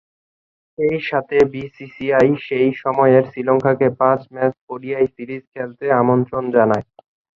সেই সাথে বিসিসিআই সেই সময়ে শ্রীলঙ্কাকে পাঁচ ম্যাচ ওডিআই সিরিজ খেলতে আমন্ত্রণ জানায়।